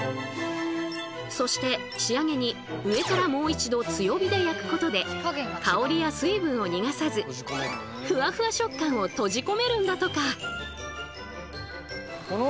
そして仕上げに上からもう一度強火で焼くことで香りや水分を逃がさずふわふわ食感を閉じ込めるんだとか！